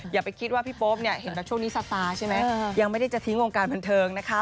อย่าไปคิดว่าพี่โป๊ปเนี่ยเห็นแบบช่วงนี้สตาร์ใช่ไหมยังไม่ได้จะทิ้งวงการบันเทิงนะคะ